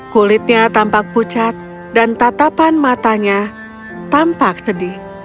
kulitnya tampak pucat dan tatapan matanya tampak sedih